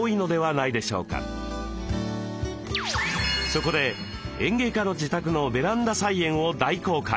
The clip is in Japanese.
そこで園芸家の自宅のベランダ菜園を大公開。